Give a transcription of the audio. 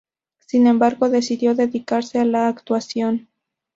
Sin embargo, decidió dedicarse a la actuación.